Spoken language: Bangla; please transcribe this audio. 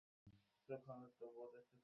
ও আমায় ঘৃণা করে।